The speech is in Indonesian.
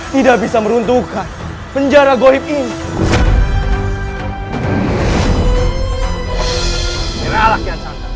tidak bisa meruntuhkan penjara goib ini